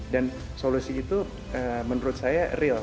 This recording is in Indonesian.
dan solusi itu menurut saya real